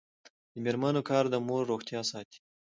د میرمنو کار د مور روغتیا ساتي.